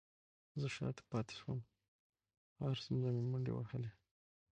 زه شاته پاتې شوم، هر څومره مې منډې وهلې،